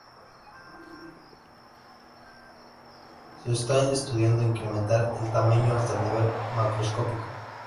Se está estudiando incrementar el tamaño hasta el nivel macroscópico.